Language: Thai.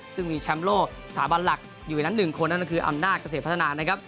ซึ่งมีแชมป์โลกสถาบันหลักอยู่ในนั้น๑คนนั่นก็คืออำนาจเกษตรพัฒนานะครับ